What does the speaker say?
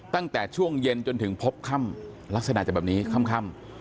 ตั้งแต่ช่วงเย็นจนถึงพบค่ำลักษณะจะแบบนี้ค่ำ